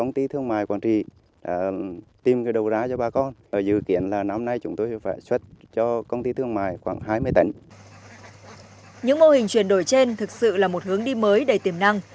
những mô hình chuyển đổi trên thực sự là một hướng đi mới đầy tiềm năng